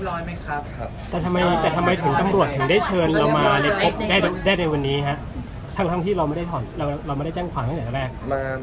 ทั้งที่เราไม่ได้ทอดและเราไม่ได้แจ้งความอย่างแรก